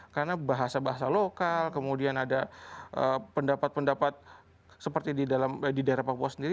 karena bahasa bahasa lokal kemudian ada pendapat pendapat seperti di daerah papua sendiri